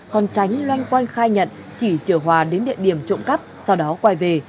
còn tránh loanh quanh khai nhận chỉ chở hòa đến địa điểm trộm cắp sau đó quay về